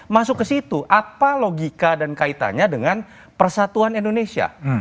masuk ke situ apa logika dan kaitannya dengan persatuan indonesia